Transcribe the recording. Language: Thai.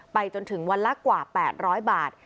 จนถึงวันละกว่า๘๐๐บาท